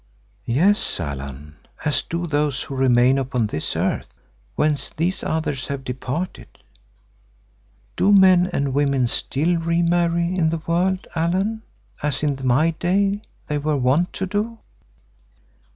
"Yes, Allan, as do those who remain upon this earth, whence these others have departed. Do men and women still re marry in the world, Allan, as in my day they were wont to do?"